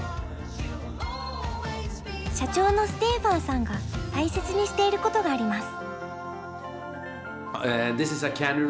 社長のステーファンさんが大切にしていることがあります。